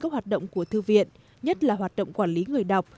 các hoạt động của thư viện nhất là hoạt động quản lý người đọc